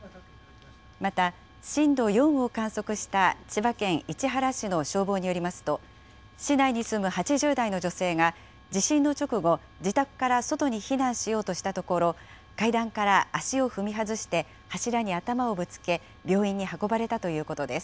また、震度４を観測した千葉県市原市の消防によりますと、市内に住む８０代の女性が、地震の直後、自宅から外に避難しようとしたところ、階段から足を踏み外して柱に頭をぶつけ、病院に運ばれたということです。